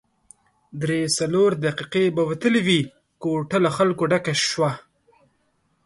درې څلور دقیقې به وتلې وې، کوټه له خلکو ډکه شوه.